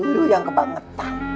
lu yang kebangetan